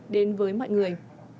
đến với mọi người